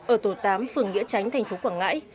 ở tổ tám phường nghĩa tránh thành phố quảng ngãi